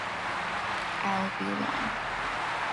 I’ll be long.